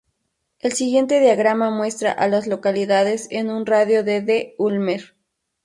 El siguiente diagrama muestra a las localidades en un radio de de Ulmer.